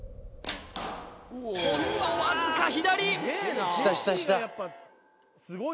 ほんのわずか左！